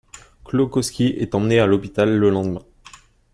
Kłoczkowski est emmené à l'hôpital le lendemain.